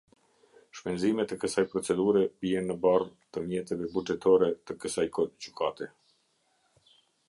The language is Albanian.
Shpenzimet e kësaj procedure bien në barrë të mjeteve buxhetore të kësaj Gjykate.